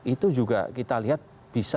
itu juga kita lihat bisa